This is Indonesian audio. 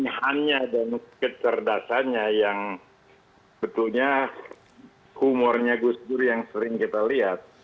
pilihannya dan kecerdasannya yang betulnya humornya gus dur yang sering kita lihat